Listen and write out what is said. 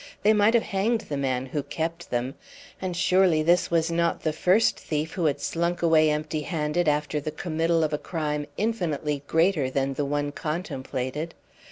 They might have hanged the man who kept them; and surely this was not the first thief who had slunk away empty handed after the committal of a crime infinitely greater than the one contemplated.